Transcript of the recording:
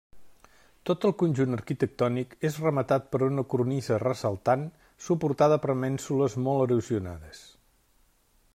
Tot el conjunt arquitectònic és rematat per una cornisa ressaltant suportada per mènsules molt erosionades.